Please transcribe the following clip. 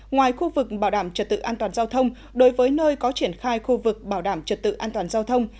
ngoài khu vực bảo đảm trật tự an toàn giao thông đối với nơi có triển khai khu vực bảo đảm trật tự an toàn giao thông